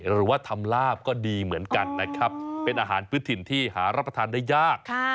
หรือว่าทำลาบก็ดีเหมือนกันนะครับเป็นอาหารพื้นถิ่นที่หารับประทานได้ยาก